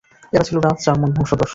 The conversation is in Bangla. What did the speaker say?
এরা ছিল ডাচ, জার্মান বংশধর।